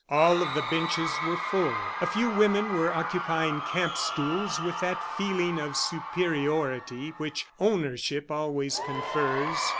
All of the benches were full. A few women were occupying camp stools with that feeling of superiority which ownership always confers.